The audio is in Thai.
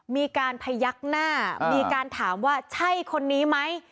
มีการพยักหน้ามีการถามว่าใช่คนนี้ไหม